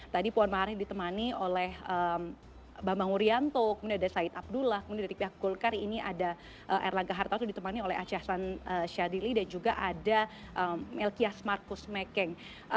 tadi puan maharani ditemani oleh bambang wuryanto kemudian ada said abdullah kemudian dari pihak golkar ini ada erlangga hartarto ditemani oleh acahsan syadili dan juga ada melkias marcus mekeng